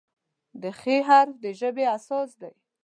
د "خ" حرف د ژبې اساس دی.